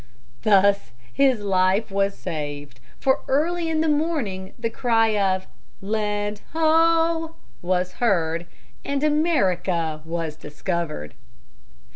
Thus his life was saved, for early in the morning the cry of "Land ho!" was heard, and America was discovered.